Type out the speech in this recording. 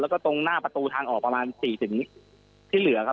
แล้วก็ตรงหน้าประตูทางออกประมาณ๔ที่เหลือครับ